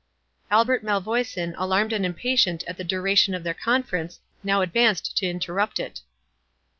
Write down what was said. Albert Malvoisin, alarmed and impatient at the duration of their conference, now advanced to interrupt it.